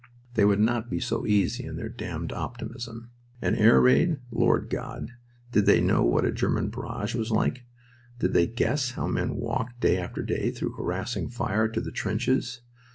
They would not be so easy in their damned optimism. An air raid? Lord God, did they know what a German barrage was like? Did they guess how men walked day after day through harassing fire to the trenches?